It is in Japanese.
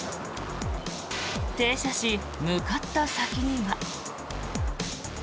停車し、向かった先には。